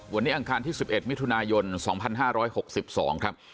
วันนี้อังคารที่๑๑มิถุนายน๒๕๖๒ครับ